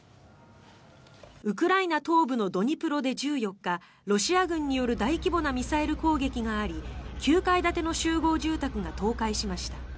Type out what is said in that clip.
ウクライナ東部のドニプロで１４日ロシア軍による大規模なミサイル攻撃があり９階建ての集合住宅が倒壊しました。